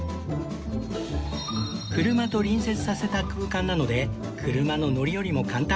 車と隣接させた空間なので車の乗り降りも簡単